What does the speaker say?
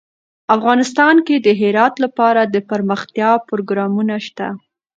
افغانستان کې د هرات لپاره دپرمختیا پروګرامونه شته.